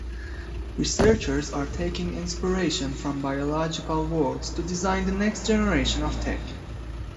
Researchers are taking inspiration from biological worlds to design the next generation of tech.